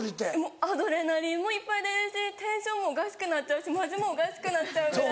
アドレナリンもいっぱい出るしテンションもおかしくなっちゃうし町もおかしくなっちゃうぐらい。